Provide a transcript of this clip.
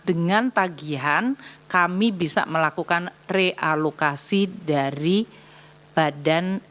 dengan tagihan kami bisa melakukan realokasi dari badan